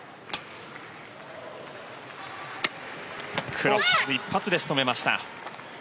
クロス一発で仕留めました。